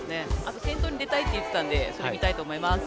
先頭に出たいと言っていたのでそれ、見たいと思います。